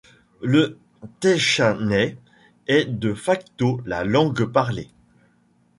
Le taishanais est de facto la langue parlée.